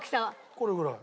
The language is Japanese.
これぐらい。